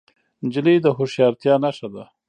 نجلۍ د هوښیارتیا نښه ده.